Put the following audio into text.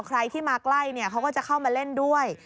ใครที่มาใกล้เขาก็จะเข้ามาเล่นด้วย